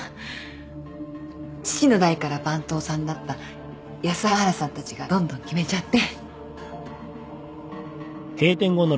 父の代から番頭さんだった安原さんたちがどんどん決めちゃって。